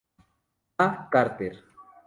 A. Carter.